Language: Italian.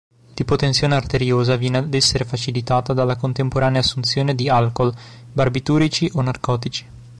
L'ipotensione arteriosa viene ad essere facilitata dalla contemporanea assunzione di alcool, barbiturici o narcotici.